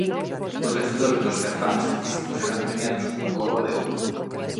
Os vencedores dos certames artísticos eran premiados cunha coroa de ouro.